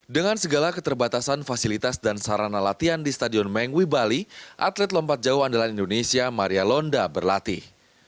dengan segala keterbatasan fasilitas dan sarana latihan di stadion mengwi bali atlet lompat jauh andalan indonesia maria londa berlatih